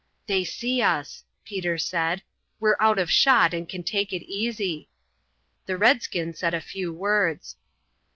"They see us," Peter said. "We're out of shot and can take it easy." The redskin said a few words.